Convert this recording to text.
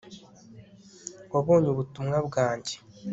wabonye ubutumwa bwanjye